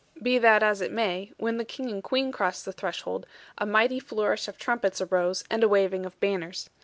Be that as it may, when the King and Queen crossed the threshold, a mighty flourish of trumpets arose, and a waving of banners.